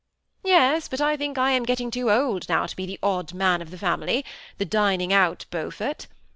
" Yes ; but I think I am getting too old now to be the odd man of the family, the dining out Beaufort.